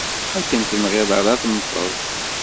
Akken tenɣiḍ ara temmteḍ!